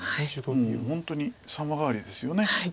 もう本当に様変わりですよね。